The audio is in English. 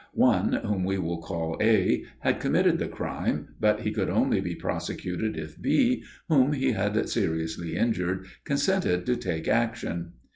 One, whom we will call A., had committed the crime: but he could only be prosecuted if B., whom he had seriously injured, consented to take action.